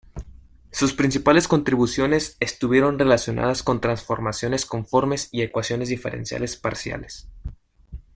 Sus principales contribuciones estuvieron relacionadas con transformaciones conformes y ecuaciones diferenciales parciales.